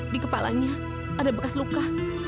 di kepalanya ada bekas luka